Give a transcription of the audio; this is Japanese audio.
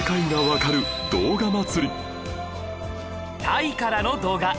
タイからの動画